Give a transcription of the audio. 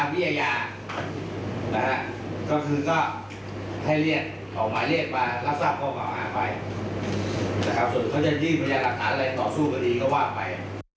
ส่วนที่เขาจะดีมประยะหลักฐานอะไรต่อสู้ประดีก็ว่าไป